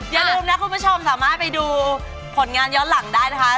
อย่าลืมนะคุณผู้ชมสามารถไปดูผลงานย้อนหลังได้นะคะ